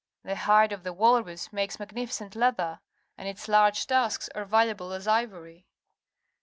The hide of the walrus makes magnificent leather, and its large tusks are valuable as ivory.